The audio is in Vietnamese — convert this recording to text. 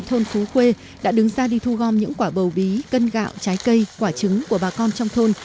thôn phú khuê đã đứng ra đi thu gom những quả bầu bí cân gạo trái cây quả trứng của bà con trong thôn